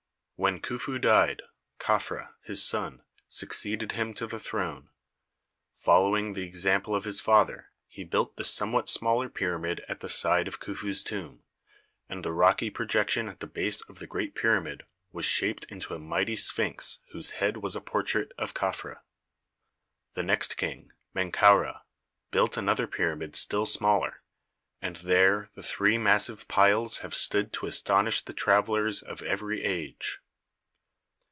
When Khufu died, Kaphra, his son, succeeded him to the throne. Following the example of his father, he built the somewhat smaller pyramid at the side of Khufu' s tomb, and the rocky pro jection at the base of the great pyramid was shaped into a mighty sphynx whose head was a portrait of Kaphra. The next King, Menkaura, built another pyramid still smaller, and there the three massive piles have stood to astonish the travellers of every age.